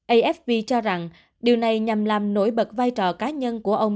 afv cho rằng điều này nhằm làm nổi bật vai trò cá nhân của ông